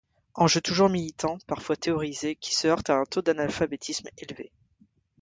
Enjeu toujours militant, parfois théorisé, qui se heurte à un taux d'analphabétisme élevé.